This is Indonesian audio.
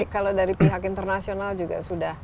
kalau dari pihak internasional juga sudah